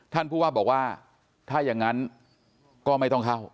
ท่านผู้ว่าบอกว่าถ้าอย่างนั้นก็ไม่ต้องเข้า